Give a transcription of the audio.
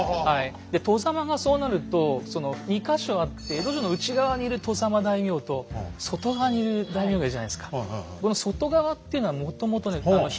で外様がそうなると２か所あって江戸城の内側にいる外様大名と外側にいる大名がいるじゃないですか。